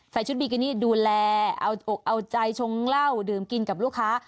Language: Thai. ชุดบิกินี่ดูแลเอาอกเอาใจชงเหล้าดื่มกินกับลูกค้า